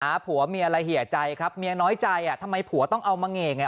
ผัวเมียอะไรเหยียใจครับเมียน้อยใจอ่ะทำไมผัวต้องเอามาเหงี